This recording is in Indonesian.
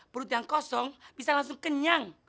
perut yang kosong bisa langsung kenyang